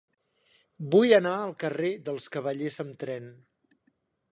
Vull anar al carrer dels Cavallers amb tren.